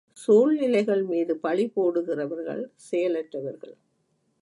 சூழ்நிலைகள் மீது பழி போடுகிறவர்கள் செயலற்றவர்கள்.